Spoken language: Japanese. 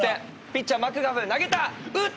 ピッチャー、マクガフが投げた。